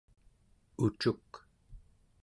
ucuk